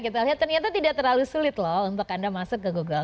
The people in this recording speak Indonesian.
kita lihat ternyata tidak terlalu sulit loh untuk anda masuk ke google